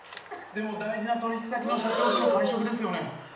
でも大事な取引先の社長との会食ですよね。